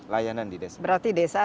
layanan di desa berarti desa